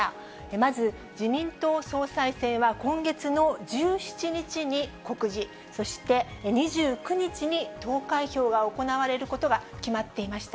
まず、自民党総裁選は今月の１７日に告示、そして２９日に投開票が行われることが決まっていました。